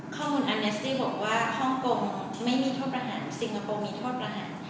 ข้อมูลอันนี้ที่แบบว่าฮ่องกรมไม่มีโทษประหารซิงโกโปมีโทษประหาร